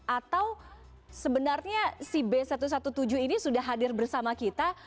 atau sebenarnya si b satu ratus tujuh belas ini sudah hadir bersama kita